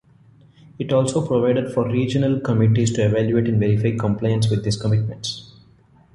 It also provided for regional committees to evaluate and verify compliance with these commitments.